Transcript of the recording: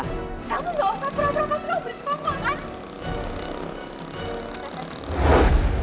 kamu gak usah pura pura pas kau berisik pampah kan